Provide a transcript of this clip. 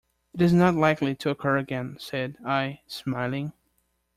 "It is not likely to occur again," said I, smiling.